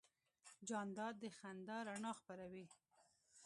جانداد د خندا رڼا خپروي.